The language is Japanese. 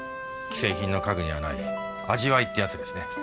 既製品の家具にはない味わいってやつですね。